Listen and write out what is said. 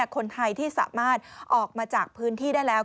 คนไทยที่สามารถออกมาจากพื้นที่ได้แล้ว